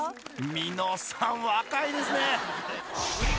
［みのさん若いですね］